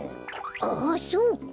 ああそうか！